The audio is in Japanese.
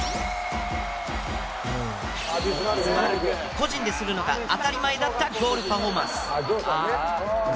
個人でするのが当たり前だったゴールパフォーマンス。